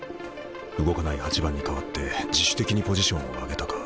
動かない８番に代わって自主的にポジションを上げたか。